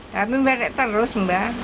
tapi membatik terus mbah